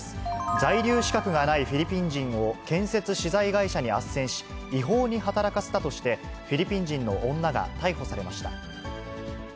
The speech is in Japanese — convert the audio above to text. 在留資格がないフィリピン人を建設資材会社にあっせんし、違法に働かせたとして、フィリピン人の女が逮捕されました。